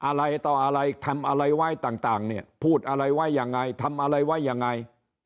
อะไรต่ออะไรทำอะไรไว้ต่างเนี่ยพูดอะไรไว้ยังไงทำอะไรไว้ยังไง